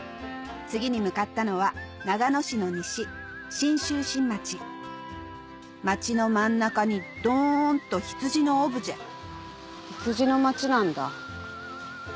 次に向かったのは長野市の西信州新町町の真ん中にドンと羊のオブジェ羊の町なんだ。